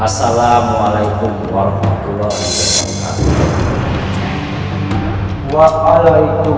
assalamualaikum warahmatullahi wabarakatuh